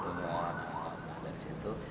nah dari situ